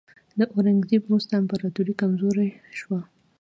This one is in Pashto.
د اورنګزیب وروسته امپراتوري کمزورې شوه.